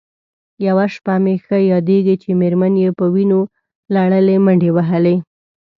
یوه شپه مې ښه یادېږي چې مېرمن یې په وینو لړلې منډې وهلې.